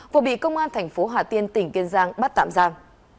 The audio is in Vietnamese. vừa bị công an thành phố hà tiên tỉnh kiên giang bắt tạm giam